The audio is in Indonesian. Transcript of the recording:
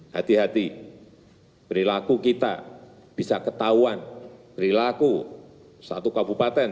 hati hati perilaku kita bisa ketahuan perilaku satu kabupaten